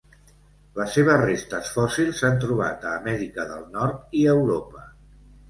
Les seves restes fòssils s'han trobat a Amèrica del Nord i Europa.